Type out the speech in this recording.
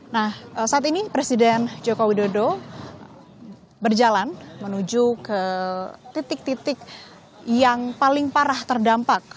nah saat ini presiden joko widodo berjalan menuju ke titik titik yang paling parah terdampak